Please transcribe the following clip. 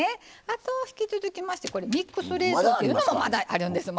あと引き続きましてこれミックス冷凍というのもまだあるんです。